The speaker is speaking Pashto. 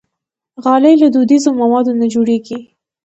غالۍ له دودیزو موادو نه جوړېږي.